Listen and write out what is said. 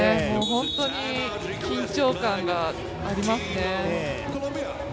本当に緊張感がありますね。